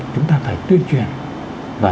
chúng ta phải tuyên truyền và